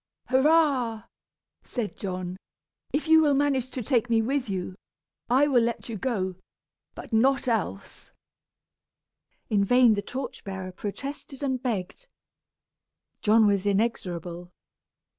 "Hurrah!" said John. "If you will manage to take me with you, I will let you go, but not else." In vain the torch bearer protested and begged. John was inexorable.